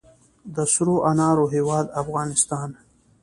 د سرو انارو هیواد افغانستان.